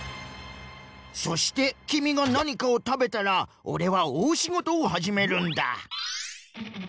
そしてきみがなにかを食べたらオレはおおしごとをはじめるんだ。